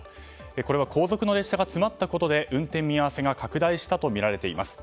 これは後続の列車が詰まったことで、運転見合わせが拡大したとみられています。